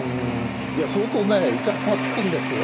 いや相当ねいちゃもんはつくんですよ。